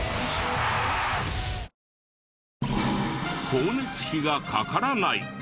光熱費がかからない！？